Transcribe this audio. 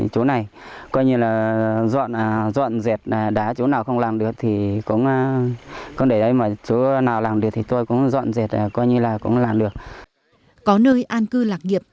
có nơi an cư lạc nghiệp người dân bản lùng quyết tâm khắc phục khó khăn khôi phục sản xuất và xây dựng lại bản làng